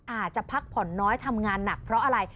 อาจจะพักผ่อนน้อยทำงานหนักเพราะอะไร